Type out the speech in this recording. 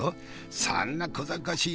そんなこざかしい